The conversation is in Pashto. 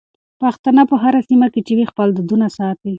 پښتانه په هره سيمه کې چې وي خپل دودونه ساتي.